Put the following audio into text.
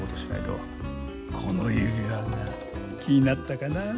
この指輪が気になったかな。